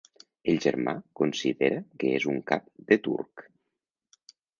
El germà considera que és un cap de turc.